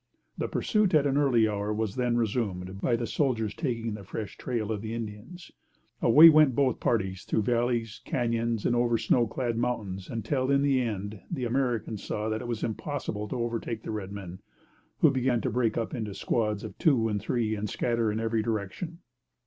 The pursuit at an early hour was then resumed, by the soldiers' taking the fresh trail of the Indians. Away went both parties through valleys, cañons, and over snow clad mountains, until, in the end, the Americans saw that it was impossible to overtake the red men, who began to break up into squads of two and three and scatter in every direction.